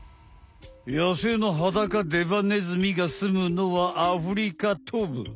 やせいのハダカデバネズミがすむのはアフリカ東部。